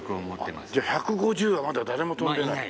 じゃあ１５０はまだ誰も飛んでない？